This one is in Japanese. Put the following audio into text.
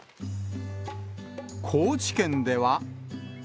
高知県では。